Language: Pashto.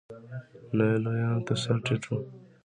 نه یې لویانو ته سر ټيټ و.